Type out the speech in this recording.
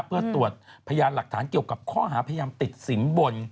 เพื่อตรวจพยานหลักฐานเกี่ยวกับข้อหาพยายามติดสินบน